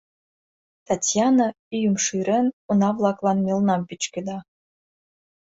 Татьяна, ӱйым шӱрен, уна-влаклан мелнам пӱчкеда.